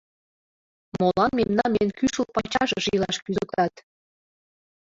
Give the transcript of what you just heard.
— Молан мемнам эн кӱшыл пачашыш илаш кӱзыктат.